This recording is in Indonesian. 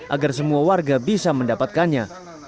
agar semua warga bisa mendapatkannya